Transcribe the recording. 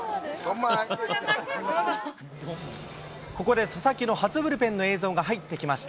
ここで佐々木の初ブルペンの映像が入ってきました。